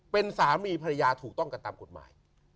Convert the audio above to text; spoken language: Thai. เป็นสามีภรรยาถูกต้องกันตามกฎหมาย